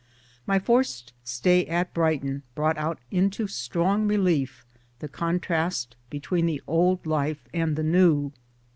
My forced stay at Brighton brought out into strong relief the contrast between the old life and the new.